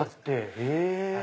へぇ！